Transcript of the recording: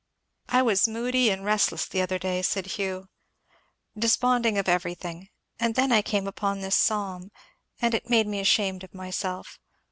"I was moody and restless the other day," said Hugh, "desponding of everything; and I came upon this psalm; and it made me ashamed of myself.